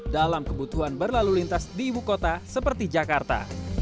dalam kebutuhan berlalu lintas di ibu kota seperti jakarta